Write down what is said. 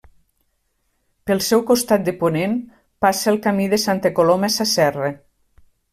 Pel seu costat de ponent passa el Camí de Santa Coloma Sasserra.